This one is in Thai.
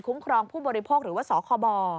ครองผู้บริโภคหรือว่าสคบ